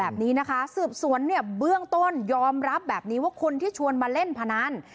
แบบนี้นะคะสืบสวนเนี่ยเบื้องต้นยอมรับแบบนี้ว่าคนที่ชวนมาเล่นพนัน